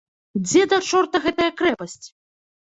Дзе да чорта гэтая крэпасць?